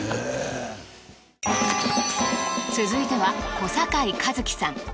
続いては小堺一機さん。